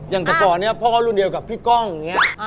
อย่างแต่ก่อนเนี่ยพ่อก็รุ่นเดียวกับพี่ก้องอย่างนี้